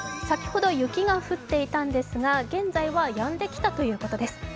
先ほど雪が降っていたんですが現在はやんできたということです。